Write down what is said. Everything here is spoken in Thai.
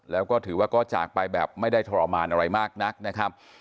แล้วก็ถือว่าก็จากไปแบบไม่ได้ทรมานอะไรมากนักนะครับ